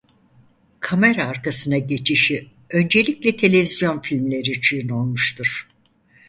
Kamera arkasına geçişi öncelikle televizyon filmleri için olmuştur.